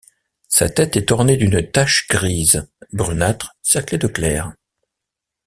Sa tête est ornée d'une tache gris brunâtre cerclée de clair.